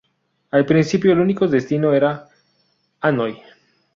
Al principio, el único destino era Hanoi.